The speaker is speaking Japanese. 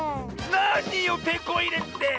なによテコいれって！